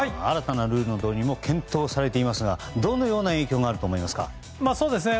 新たなルールの導入も検討されていますがどんな影響があると思いますか。